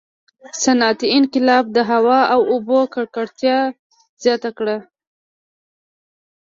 • صنعتي انقلاب د هوا او اوبو ککړتیا زیاته کړه.